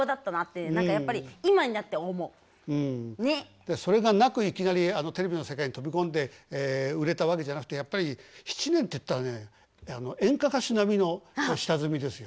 だからそれがなくいきなりテレビの世界に飛び込んで売れたわけじゃなくてやっぱり７年っていったらね演歌歌手並みの下積みですよ。